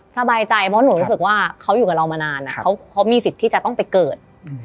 สบายใจเพราะหนูรู้สึกว่าเขาอยู่กับเรามานานเขามีสิทธิ์ที่จะต้องไปเกิด